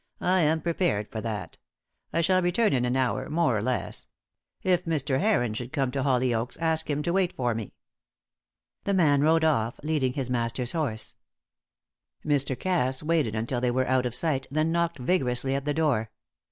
"I am prepared for that. I shall return in an hour, more or less. If Mr. Heron should come to Hollyoaks, ask him to wait for me." The man rode off, leading his master's horse. Mr. Cass waited until they were out of sight, then knocked vigorously at the door.